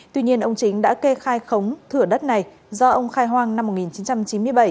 tuy nhiên ông chính đã kê khai khống thửa đất này do ông khai hoang năm một nghìn chín trăm chín mươi bảy